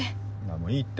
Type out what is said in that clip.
もういいって。